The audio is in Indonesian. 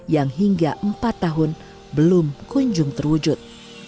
yang hingga empat tahun belum kunjung terwujud